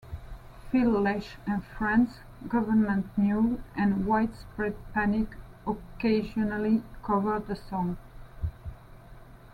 Phil Lesh and Friends, Gov't Mule and Widespread Panic occasionally cover the song.